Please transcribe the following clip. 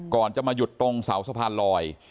ก่อนจะมาหยุดตรงเสาสะพานลอย